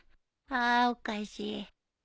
ああおかしい。